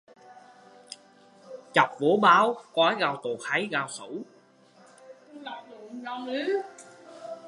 Chọc vô bao, coi gạo tốt hay gạo xấu